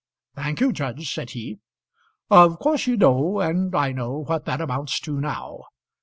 "Thank you, judge," said he. "Of course you know, and I know, what that amounts to now.